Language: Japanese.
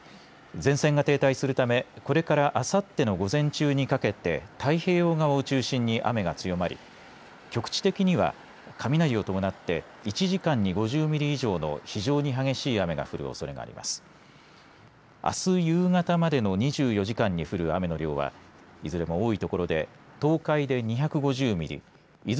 前線が停滞するためこれからあさっての午前中にかけて太平洋側を中心に雨が強まり局地的には雷を伴って１時間に５０ミリ以上の非常に激しい雨が降るおそれがあります。